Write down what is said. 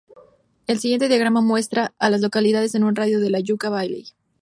El siguiente diagrama muestra a las localidades en un radio de de Yucca Valley.